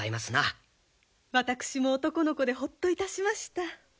私も男の子でホッといたしました。